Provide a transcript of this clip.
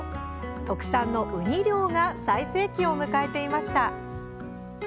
特産のウニ漁が最盛期を迎えていました。